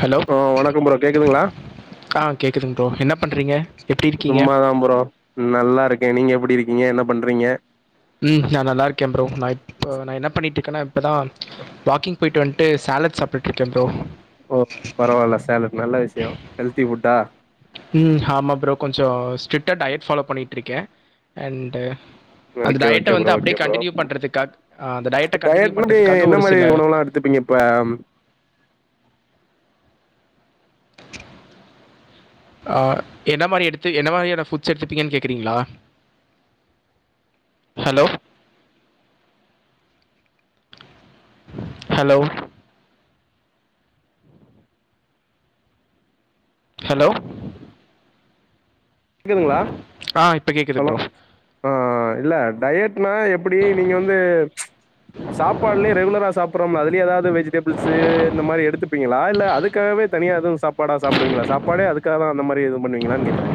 Hello ஆ வணக்கம் bro கேக்குதுங்களா அ கேக்குதுங்க ப்ரோ என்ன பண்றீங்க சும்மாதா ப்ரோ நல்லா இருக்கே நீங்க எப்டி இருக்கீங்க என்ன பண்றீங்க ம் நான் நல்லா இருக்கே ப்ரோ நா இப்ப நா என்ன பண்ணிட்டு இருக்கேன்னா இப்பதா வாக்கிங் போயிட்டு வன்ட்டு சாலட் சாப்டிட்டு இருக்கே ப்ரோ ஓ பரவாயில்ல சாலட் நல்ல விஷயோ ஹெல்த்தி ஃபுட்டா ம் ஆமா ப்ரோ கொஞ்சோ ஸ்ட்ரிக்ட் டா டயட் ஃபாலோ பண்ணிட்டு இருக்கேன் அண்ட் அந்த ஓகே டயட்ட ஓகே வந்து ப்ரோ அப்டியே ஓகே ப்ரோ கன்டினியூ பண்றதுக்காக அந்த டயட்ட கண்டினியூ பண்றதுக்காக ஒரு சில இடியாப்பம் [unintelligible] [unintelligible] ஆஹ் என்ன மாரி எடுத்து என்ன மாரியான ஃபுட்ஸ் எடுத்துப்பீங்கன்னு கேக்குறீங்களா ஹலோ ஹலோ ஹலோ க்குதுங்களா ஆ இப்போ கேட்குது ஹலோ ப்ரோ ஆஹ் இல்ல டயட்னா எப்டி நீங்க வந்து சாப்பாட்லயே ரெகுலரா சாப்பட்றோம்ல அதுலயே ஏதாவது வெஜிடெபிள்ஸ் இந்த மாரி எடுத்து ப்பீங்களா இல்ல அதுக்காகவே தனியா எது சாப்பாடா சாப்டுவீங்களா சாப்பாடே அதுக்காக தா அந்த மாரி எது பண்ணுவீங்களான்னு கேக்குறே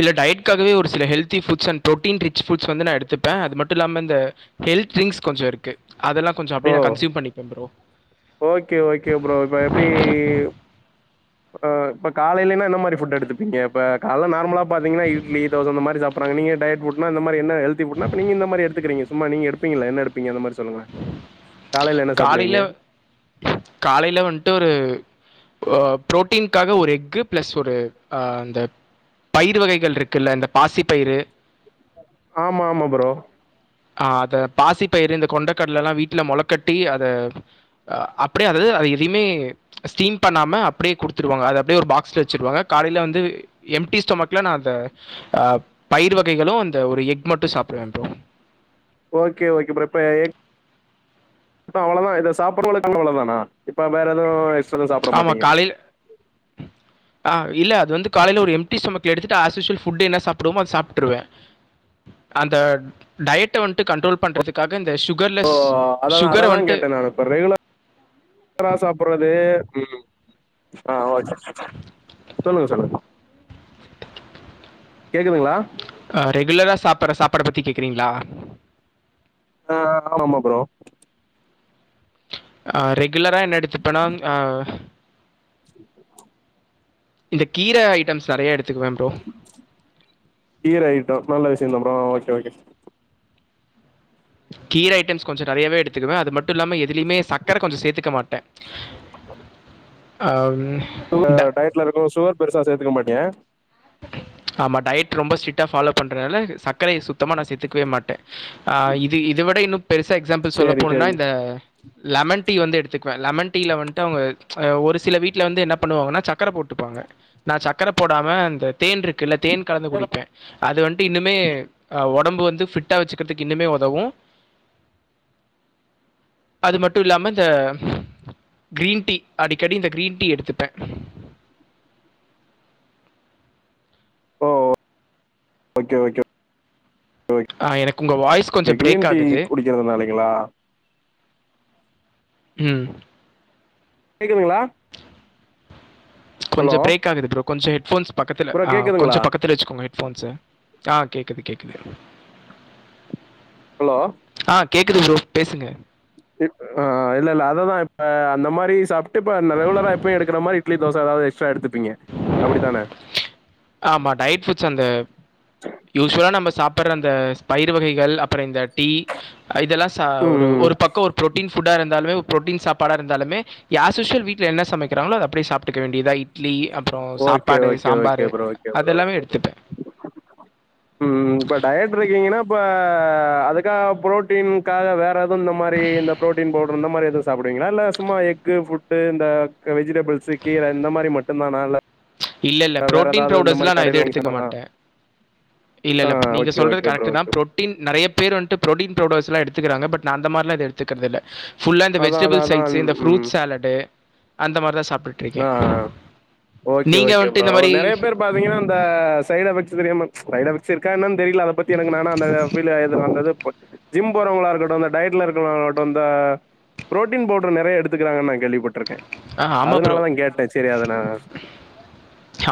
இல்ல டயட்காகவே ஒரு சில healthy foods and protein rich foods வந்து நா எடுத்துப்பே அது மட்டும் இல்லாம இந்த ஹெல்த் டிரிங்க்ஸ் கொஞ்ச இருக்கு அதெல்லா கொஞ்சம் ஓ அப்டியோ நா கன்ஸியூம் பண்ணிப்பே ப்ரோ ஓகே ஓகே ப்ரோ இப்ப எப்டி இப்ப காலைலேனா என்ன மாரி புட் எடுத்துப்பீங்க இப்ப கால்ல நார்மலா பாத்தீங்கன்னா இட்லி தோச அந் மாரி சாப்பிடறாங் நீங்க டயட் புட்னா இந்த மாரி என்ன ஹெல்த்தி புட்னா இப்ப நீங்க எந்த மாரி எடுதுக்கறீங்க சும்மா நீங்க எடுப்பீங்கள்ல என்ன எடுப்பீங்க அந்த மாரி சொல்லுங்களே காலையில காலையில வன்ட்டு ஒரு ஹோ புரோட்டீன்காக ஒரு எக்கு பிளஸ் ஒரு அஹ அந்த பயிரு வகைகள் இருக்குல்ல இந்த பாசி பயிறு ஆமா ஆமா ப்ரோ ஆஹ் அத பாசி பயிரு இந்த கொண்டைக்கடல எல்லா வீட்டுல மொளக்கட்டி அத அஹ அப்டியே அதது அது எதுயுமே ஸ்டீம் பண்ணாம அப்டியே குடுத்துருவாங்க அத அப்டியே ஒரு பாக்ஸ்ல வச்சிருவாங்க காலையில வந்து எம்டி ஸ்டொமக்ல நா அநத அஹ் பயிர் வகைகளும் அந்த ஒரு எக் மட்டும் சாப்பிடுவே ப்ரோ ஓகே ஓகே ப்ரோ இப்ப எக் ப்ப அவ்ளோதா இத சாப்புட்றளவுக் அவ்ளவுதானா இப்ப வேற எதுவு எக்ஸ்ட்ரா சாப்புட மாட்டீங்க ஹ [unintelligible] ஆஹ் இல்ல அது வந்து காலைல ஒரு எம்டி சொமக்கல எடுத்துட்டு ஆஸ்யூசுவல் ஃபுட்டு என்ன சாப்டுவமோ அத சாப்ட்டுருவே அந்த டயட்ட வன்ட்டு கண்ட்ரோல் பண்றதுக்காக் ஓ அததா அததா கேட்டே நானு இப்ப ரெகுலர் றா சாப்பற்றது ஆஹ் ஓகே சொல்லுங்க சொல்லுங்க கேக்குதுங்ளா அ ரெகுலரா சாப்பிட்ற சாப்பாடு பத்தி கேக்குறீங்ளா ஆஹ் ஆமாமா ப்ரோ அஹ் ரெகுலரா என்ன எடுத்துப்பனா அஹ் இந்த கீர ஐட்டம்ஸ் நெறய எடுத் கீர ஐட்டோ நல்ல விஷயந்தா ப்ரோ ஆஹ் ஓகே ஓகே கீர ஐட்டம்ஸ் கொஞ்சோ நெறயாவே எடுத்துக்குவே அது மட்டுமில்லாம எதுலயுமே சக்கர கொஞ்சம் சேத்துக்க மாட்டே ஹம் ஆஹ் டயட்ல இருக்கோ சுகர் பெருசா சேத்துக்க மாட்டீங்க ஆமா டயட் ரொம்ப ஸ்ட்ரிட்டா ஃபாலோ பண்றனால சக்கரய சுத்தமா நா சேத்துக்கவே மாட்டே ஆஹ் இது இத விட இன்னு பெருசா எக்ஸாம்பிள் சொல்ல சரி, போனோனா சரிங்க. இந்த லெமன் டீ வந்து எடுத்துக்குவே லெமன் டீல வந்ட்டு அவ்ங்க ஒரு சில வீட்டுல வந்து என்ன பண்ணுவாங்கன்னா சக்கர போட்டு வாங்க நா சக்கர போடாம அந்த தேன் இருக்குல்ல தேன் கலந்து குடிப்பே அது வன் ட்டு இன்னுமே ஆஹ் ஒடம்பு வந்து ஃபிட்டா வச்சுக்கறதுக்கு இன்னுமே ஒதவு அது மட்டு இல்லாம இந்த க்ரீன் டீ அடிக்கடி இந்த க்ரீன் டீ எடுத்துப்பே ஓஓ ஓகே ஓகே ஓக் ஆ, எனக்கு உங்கள் வாய்ஸ் கே கொஞ்சம் பிரேக் க்ரீன் டீ ஆகுது குடிக்கறது நாளைங்ளா ம் கேக்குதுங்களா ஹலோ கொஞ்ச பிரேக் ஆகுது ப்ரோ கொஞ்ச ஹெட்ஃபோன்ஸ் பக்கத்தில ப்ரோ கொஞ்ச கேக்குதுங்களா பக்கத்தில வச்சுக்கோங்க ஃபோன்ஸ ஆ கேக்குது கேக்குது ஆ கேக்குது ப்ரோ பேசுங்க இப் ஆ இல்லல்ல அததா இப்ப அந்த மாறி சாப்டு இப்ப ரெகுலரா எப்பயு எடுக்கிற மாறி இப் தோச எதாது எக்ஸ்ட்ரா எடுத் ஆமா டயட் ஃபுட்ஸ் அந்த யூஸ்வலா நம்ம சாப் ப்பற அந்த பயிர் வகைகள் அப்ற இந்த டீ இதெல்லா சா ஒரு ம் ஒரு‌பக்க ஒரு ப்ரோட்டீன் ஃபுட்டா இருந்தாலு ப்ரோட்டீன் சாப்பாடா இருந்தாலுமே யாஷ்யூஸ்வல் வீட்ல என்ன சமைக்கறாங்களோ அத அப்டியே சாப்டுக்க வேண்டீதா இட்லி அப்றோ ஓகே சாப்பாடு okay okay sambar bro okay bro அதெல்லாமே ஓகே ப்ரோ எடுத்துப்பே ம் இப்ப டயட் இருக்கீங்கன்னா இப்ப அதுக்காக ப்ரோட்டீன்காக வேற எதுவு இந்த மாறி இந்த ப்ரோட்டீன் பவுடர் இந்த மாறி எது சாப் ங்களா இல்ல சும்மா எக்கு ஃபுட்டு இந்த க வெஜிடபிள்ஸ் கீர இந்த மாறி மட்டுந்தானா இல்ல இல்ல வேற ப்ரோட்டீன் ஏதாவது இந்த பவுடர்ஸ்லா மாரி நா எது கடையில வாங்கி எடுத்துக்க சாப்டலாமா மாட்டே இல்ல ஆ இல்ல நீங்க ஓகே சொல்றது ஓகே ப்ரோ கரெக்ட் தா ஓகே ப்ரோட்டீன் நெறய பேர் வன்ட்டு ப்ரோட்டீன் பவுடர்ஸ்லா எடுத் துக்கறாங்க பட் நா அந்த மாறிலா எது எடுத்துக்கறதில்ல ஃபுல்லா இந்த அதா அதா வெஜிடபிள் அதா சைட்ஸ்ஸு இந்த ம் ஃப்ரூட் சாலட்டு அந்த மாறி தா சாப்ட்டிருக்கே ஓக்கே ஓக்கே ப்ரோ நெறய பேர் பாத்திங்கன்னா அந்த சைட் எஃபெக்ட்ஸ் தெரியாம சைட் எஃபெக்ட்ஸ் இருக்கா என்னனு தெரியல அதப் எனக்கு நானா அந்த ஃபீல் இது அந்தது ஜிம் போறவங்களா இருக்கட்டு இந்த டயட்ல இருக்குங்களா இருக்கட்டு அந்த ப்ரோடீன் பவுடர் நெறய எடுத்துக்கறாங்கன்னு நா கேள்விபட்ருக்கே ஆ ஆமாம் ப்ரோ அதனாலதா கேட்டே சரி அத நா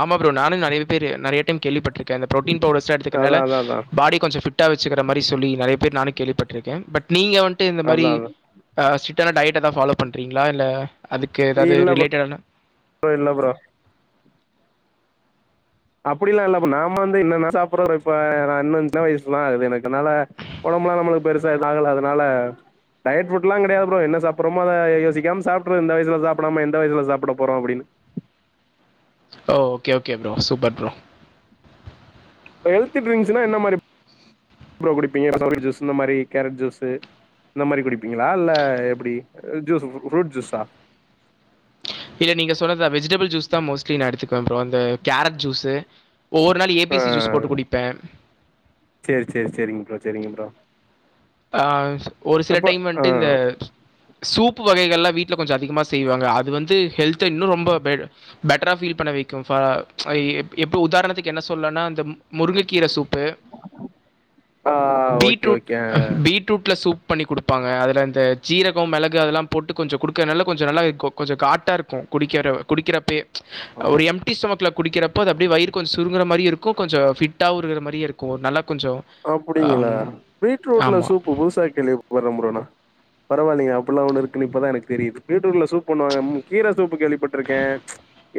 ஆமா ப்ரோ நானு நெறய பேரு நெறய டைம் கேள்விபட்ருக்கே இந்த ப்ரோட்டீன் பவ்டர்ஸ்லா அதா எடுத்துக்கறனால அதா அதா பாடி கொஞ்ச ஃபிட் ட்டா வச்சுக்கற மாறி சொல்லி நெறய பேர் நானு கேள்விபட்ருக்கே பட் நீங்க வந் டு இந்த மாறி அதா அதா ஆ ஸ்டிரிட் ஆன டயட்டதா ஃபாலோ பண்றீங்ளா இல்ல இல்ல ப இல்ல ப்ரோ அப்படிலா இல்ல ப்ரோ நாம வந்து என்னன்ன சாப்பிடுற இப்ப நான் சின்ன வயசு தா ஆகுது எனக்கு அதனால உட டம்பலா நம்ளுக்கு பெருசா எது ஆகல அதனால டயட் ஃபுட்லா கெடயாது ப்ரோ என்ன சாப்பட்றமோ அத யோசிக்காம சாப்டறது இந்த வயசுல சாப்டாம எந்த வயசுல சாப்பட போறோ அப்படின்னு ஓ okay okay bro super bro health ட்ரிங்க்ஸ்னா என்ன மாறி ப்ரோ குடிப்பீங்க [unintelligible] ஜூஸ் இந்த மாரி கேரட் ஜூஸூ இந்த மாறி குடிப்பீங்களா இல்ல எப்டி ஜூஸ் ஃப்ரூட் ஜூஸா ஹ்ம் இல்ல நீங்க சொன்ன தா வெஜிடபிள் ஜூஸ்தா மோஸ்ட்லி நா எடுத்துக்குவ ப்ரோ இந்த கேரட் ஜூஸ்சு ஒவ்வொரு நாள் ஆ ஏபிசி ஜூஸ் போட்டு குடிப்ப சேரி சேரி சேரிங் ப்ரோ சேரிங்க ப்ரோ ஆ ஒரு சில அப்ப டைம் ஆ வந்ட்டு இந்த சூப் ப்பு வகைகள்லா வீட்ல கொஞ்ச அதிகமாக செய்வாங்க அது வந்து ஹெல்த இன்னு ரொம்ப பெட் பெட்டரா பீல் பண்ண வைக்கு பா அ எப் எப்பு உதாரணத்துக்கு என்ன சொல்லனா இந்த மு முருங்கக்கீர சூப் ப்பு ஆ ஓகே பீட்ரூட் ஓகே பீட்ரூட்ல சூப் பண்ணி குடுப்பாங்க அதல இந்த ஜீரகம் மிளகு அதெல்லா போட்டு கொஞ்ச குடுக்கறனால கொஞ்ச நல்லா கொஞ்ச காட்டாருக்கு குடிக்கிற குடிக்கிறப்பியே ஒரு எம் டி ஸ்டொமக்ள குடிக்கிறப்போ அது அப்டி வயிறு கொஞ்ச சுருங்கற மாரி இருக்கு கொஞ்ச ஃபிட்டாவு இருகுற மாரியே இருக்கு நல்லா கொஞ்சம் அப்டிங்களா அம் பீட்ரூட்ல ஆமா. சூப்பு புதுசா கேள்வி பட்ர ப்ரோ நா பரவால்லையே அப்புல்லா ஒன்னு இருக்குனு இப்பதா எனக்கு தெரிது பீட்டூட்ல சூப் பண்ணுவாங்க கீர சூப் ப்பு கேள்விப்பட்ருக்கே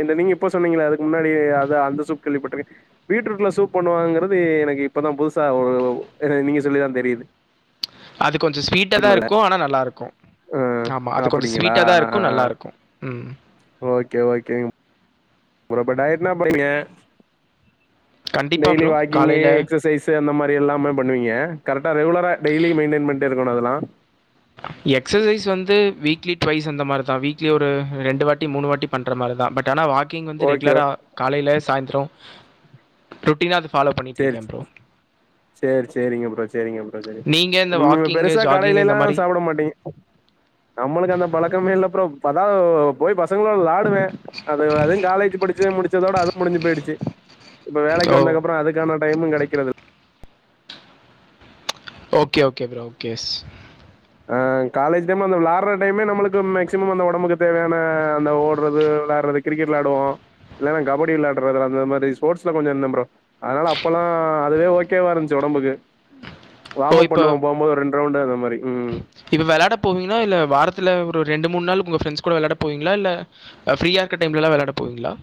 எந்த நீங்க இப்போ சொன்னீங்கள அதுக்கு முன்னாடி அத அந்த சூப் கேள்விப்பட்ருக்க பீட்ரூட்ல சூப் பண்ணுவாங்கறது எனக்கு இப்பதா புதுஸ் சா ஒரு அ நீங்க சொல்லிதா தெரிது அது கொஞ்ச ஸ்வீட்டாதா இருக்கு ஆனா நல்லாருக்கு ஆ ஆமா அது கொஞ்ச அப்டிங்களா ஸ்வீட்டாதா ஆ இருக்கு ஆ நல்லாருக்கு ம் ஓகே ஓகேங்க ப்ரோ ப்ப டயட்னா பண்ணங்க கண்டிப்பாக டெய்லி ப்ரோ வாக்கிங்கு காலையில் எக்சசைஸ்சு அந்த மாரி எல்லாமே பண்ணுவீங்க கரட்டா ரெகுலரா டெய்லி மெயின்டன் பண்டே க்குனு அதுலா ஆஹ் எக்ஸசைஸ் வந்து வீக்லி டுவைஸ் அந்த மாரிதா வீக்லி ஒரு ரெண்டு வாட்டி மூணு வாட்டி பண்ற மாரிதா பட் ஆனா வா கிங் வந்து ஓகே ரெகுலரா காலைல சாயந்த்ர ரொட்டீனா அது ஃபாலோ சேரி பண்ணிட்ருக்க ப்ரோ சேரி சேரிங்க ப்ரோ சேரிங்க ப்ரோ சேரி நீங்கள் இந்த ம் பெருசா கடைலலா சாப்ட மாட்டி ஹ்ம் நம்மளுக்கு அந்த பழக்கமே இல்ல ப்ரோ பதாவ் போய் பசங்களோட் விளாடுவ அது அதும் காலேஜ் படி படிச்சி முடிச்சதோட அது முடிஞ்சு போயிடுச்சு இப்ப வேலைக்கு ஓ வந்தக்கப்ற அதுக்கான டைமு கெடைக்கிறது okay okay bro okay yes ஆ காலேஜ் டைம் அந்த விளையாற டைமே நம்மளுக்கு மேக்சிமம் அந்த ஒடம்புக்கு தேவையான அந்த ஓடறது விளையாற ட்றது கிரிக்கெட் வெளாடுவோ இல்லனா கபடி விளையாடறது அந்த மாதிரி ஸ்போர்ட்ஸ்ல கொஞ்ச இந்த ப்ரோ அதனால அப்பலா அதுவே ஓகே வா இருஞ்சு ஒடம்பு ஒடம்புக்கு உம் வாம்அப் பண்ணுவோ போம்போது ரெண் ரவுண்டு அந்த மாரி ம் இப்ப வெளாட போவீங்ளா இல்ல வாரத்துல ஒரு ரெண்டு மூணு நாளு உங்க ஃப்ரண்ஸ் கூட வெளாட போவீங்ளா இல்ல ஃப்ரியா இருக்க டைம்ல வெளாட போவீங்ளா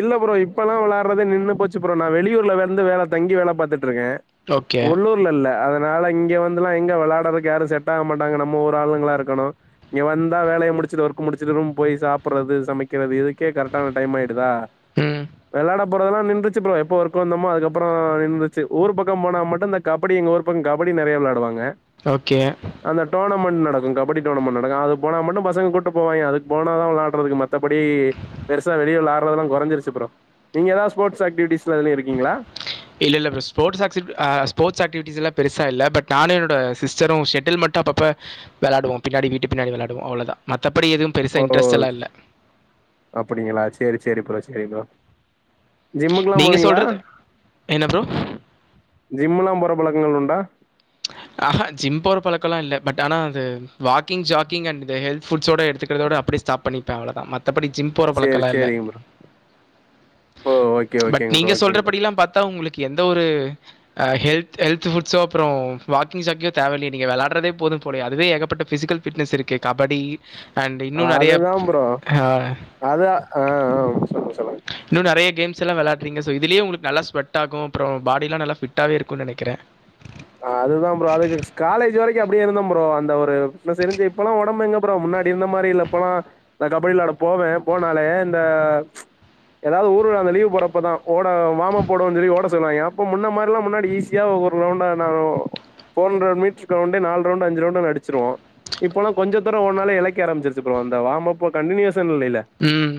இல்ல ப்ரோ இப்பலா வெளாறதே நின்னு போச்சு ப்ரோ நா வெளியூர்ல வெந்து வேல தங்கி வேல பாத்துட்டு ட்ருக்க ஓகே உள்ளூர்ல இல்ல அத னால இங்க வந்துலா எங்க வெளாடறக்கு யாரும் செட்டாக மாட்டாங்க நம்ம ஒரு ஆளுங்களாருக்கணு இங்க வந்தா வேலைய மு ச்சுது ஒர்க் முடிச்சது ரூம் போய் சாப்பறது சமைக்கிறது இதுக்கே கரட்டான டைம் ஆய் தா ம் வெளாட போறதல்லா நின்றுச்சு ப்ரோ எப்ப ஒர்க வந்தமோ அதுக்கப்பற நின்றுச்சு ஊர் பக்கம் போனா மட்டு இந்த கபடி எங்க ஊர் பக்க கபடி டி நெறைய விளாடுவாங்க ஓகே மன் நடக்கும் கபடி டோர்னமண் நடக்கு அது போனா மட்டு பசங்க கூட்டு போவாய்ங்க அதுக் போனாதா வெளாடறதுக்கு மத்தபடி பெருசா வெளிய விளாட்றதலா குறைஞ்ச்சுருசு ப்ரோ நீங்கெதாவது ஸ்போர்ட்ஸ் ஆக்டிவிட்டீஸ் இல்ல இல்ல ப்ரோ ஸ்போர்ட்ஸ் ஆக்சிஸ் அ ஸ்போட்ஸ் ஆக்டிவிடிஸ்லா பெருசா இல்ல பட் நானு என்னோட சிஸ்டரு ஷட்டில் மட்டு அப்பப்ப வெளாடுவோ பின்னாடி வீட்டு பின்னாடி வெளாடுவோ அவ்ளோ தா மத்த ஓ அப்டிங்களா செரி செரி ப்ரோ செரி ப்ரோ ஜிம்முக்குல்லா நீங்க போவீங்களா சொல்றது என்ன ப்ரோ? ஜிம்ல்லா போற பழக்கங்கள் உண்டா ஆஹா ஜிம் போர பழக்கலா இல்ல பட் ஆனா அது வாக்கிங் ஜாகிங் அண்ட் இந்த ஹெல்த் ஃபுட்ஸோட எடுத்துக்கிறதோட அப்டி ஸ்டாப் பண்ணிப்பே அவ்ளோதா மத்தபடி ஜிம் போற சேரி பழக்கலா இல்ல சேரிங்க ப்ரோ ஓ ஓகே பட் ஓகேங்க ப்ரோ நீங்க ஓகேங்க ப்ரோ சொல்றபடிலா பாத்தா உங்களுக் எந்த ஒரு ஹெல்த் ஹெல்த் ஃபுட்ஸோ அப்றோ வாக்கிங் ஜாக்கியோ தேவல்லயே நீங்க வெள்ளாட்றதே போதும் போலயே அதுவே ஏகப்பட்ட ஃபிசிக்கல் ஃபிட்னஸ் இருக்கே கபடி அண்ட் இன்னு நறைய அதுதா ப்ரோ அ அது ஆ ஆ சொல்லுங்க சொல்லுங்க இன்னு நறைய கேம்ஸ்லா வெளையாட்றீங்கோ ஸோ இதுலயே உங்களுக்கு நல்லா ஸ்வெட் ஆகு அப்றோ பாடிலா நல்லா ஃபிட்டாவே இருக்குன்னு நெனைக்கிறே அ அதுதா ப்ரோ அதுக்கு காலேஜ் வரைக்கு அப்டியே இருந்தே ப்ரோ அந்த ஒரு இப்ப செரிஞ்சு இப்பல்லா ஒடம்பு எங்க ப்ரோ முன்னாடி இந்த மாரி இல்ல இப்பல்லா கபடியிவெலாட போவே போனாலே இந்த அ ஏதாது ஊரில அந்த லீவு போறப்பதா ஓட வாமப் போடுன்னு சொல்லி ஓட சொன்னாங் ய்யா அப்போ முன்ன மார்லா முன்னாடி ஈஸியா ஒரு ரவுண்டா நா ஒ ப்போரண்டர் மீட்ருக் க்ரௌண்டே நாலு ரவுண்டு அஞ்சு ரவுண்டானா அடிச்சிருவோ இப்போல்லா கொஞ்ஜோ தூரோ ஓட்னாலே எளைக்க ஆரம்பச்சிருச்சு ப்ரோ இந்த வாமப்பு கண்டினியூசன் இல்லைல்ல ம்.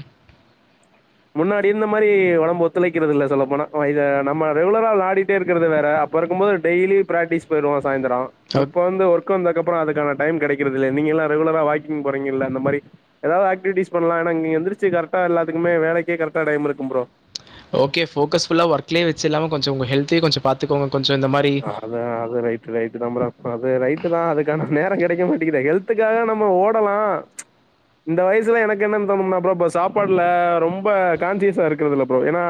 முன்னாடி இருந்த மாரி ஒடம்பு ஒத்துழைக்குறது இல்ல சொல்ல போனா இத நம்ம ரெகுலரா வெழாடிட்டே இருக்கறது வேற ப்ப இருக்கும்போது டெய்லி ப்ராக்டிஸ் போயிருவோ சாயந்தரொ ஓக் இப்ப வந்து ஒர்க் க்கு வந்த அப்றம் அதுக்கான டைம் கெடைக்கறதில்ல நீங்கலா ரெகுலரா வாக்கிங் போறீங்ல்ல அந்த மாரி எதாது ஆக்டிவிட்டீஸ் பண்லா ப்ப இங்க எந்திருச்சு கரெக்ட்டா எல்லத்துக்குமே வேலைக்கே கரெக்டா டைம் இருக்கும் ப்ரோ ஓகே ஃபோகஸ் ஃபுல்லா ஒர்க்லயே வச்சில்லாம கொஞ்ஜோ உங்க ஹல்த்தயு கொஞ்சொ பாத்துக்கோங் அது அது ரைட்டு ரைட்டுதா ப்ரோ இப்ப அது ரைட்டுதான் அதுக்கான நேரம் கெடைக்க மாட்டிக்குதே ஹெல்த்துக்காக நம்ம ஓடலாம் இந்த வயசுல எனக்கு என்னன்னு தோணும்னா ப்ரோ இப்ப சாப்பாட்ல ரொம்ப கான்சியஸா இருக்றதில்ல ப்ரோ ஏனா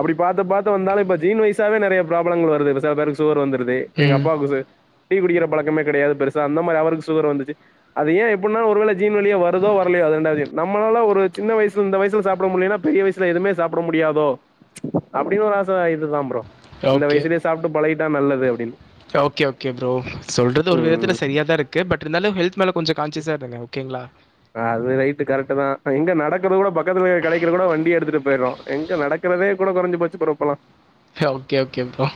அப்டி பாத்து பாத்து வந்தாலு இப்ப ஜீன் வயசாவே நெறைய ப்ராப்ளங்கள் வருது இதோ பாருங்க சுகறு வந்துருது எங்க ம். அப்பாவுக் சொ டீ குடிக்குற பழக்கமே கெடையது பெருசா அந்த மாரி அவருக்கு சுகர் வந்துச்சு அது ஏன் எப்பிட்னா ஒரு வேல ஜீன் வழியா வருதோ வர்லையோ ரெண்டாவது நம்மளால ஒரு சின்ன வய்ஸ்ல இந்த வய்ஸ்ல சாப்பிட முடியலனா பெரிய வய்ஸ்ல எதுமே சாப்ட முடியாதோ அப்டினு ஒரு ஆச தா இதுதா ப்ரோ ஓகே பழகிட்ட நல்லது அப்டின்னு ஓகே ஓகே ப்ரோ சொல்றது ஒரு விதத்துல ம் செரியத்தா இருக்கு பட் இருந்தாலு ஹெல்த் மேல கொஞ்ஜோ கான்சியஸா இருங்க ஓகேங்ளா அது ரைட்டு கரெக்ட்டு தா எங்க நடக்கறது கூட பக்கத்துல கடைக்கற கூட வண்டிய எடுத்துட்டு போய்ரோ எங்க நடக்க ருதே கூட கொறஞ்சு போச்சு இப்போலா ஓகே ஓகே ப்ரோ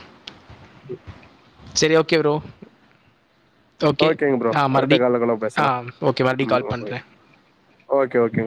எ ஓகே ப்ரோ ஓகே ஓகேங்க ப்ரோ அ அடுத்த மறுப்டி கால்ல கூட அ பேசலா ஓகே மறுப்டி ம் கால் பண்றேன் ஓகே ஓகே